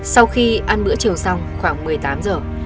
sau khi ăn bữa chiều xong khoảng một mươi tám giờ